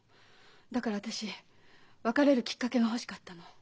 だから私別れるきっかけが欲しかったの。